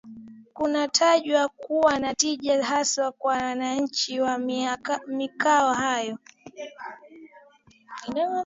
Kunatajwa kuwa na tija hasa kwa wananchi wa mikoa hiyo